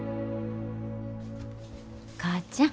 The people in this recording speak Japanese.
母ちゃん。